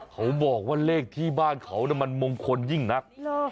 เขาบอกว่าเลขที่บ้านเขามันมงคลยิ่งนัก